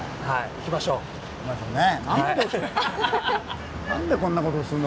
行きましょうね。